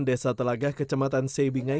desa telagah kecematan sebingai